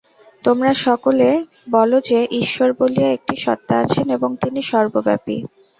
তোমরা সকলে বলো যে, ঈশ্বর বলিয়া একটি সত্তা আছেন এবং তিনি সর্বব্যাপী।